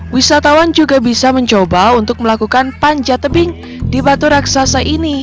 wisatawan juga bisa mencoba untuk melakukan panjat tebing di batu raksasa ini